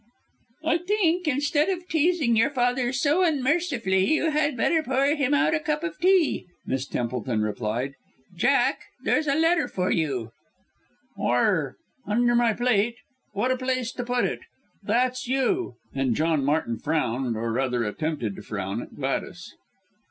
"I think, instead of teasing your father so unmercifully, you had better pour him out a cup of tea," Miss Templeton replied. "Jack, there's a letter for you." "Where? Under my plate! what a place to put it. That's you," and John Martin frowned, or rather, attempted to frown, at Gladys.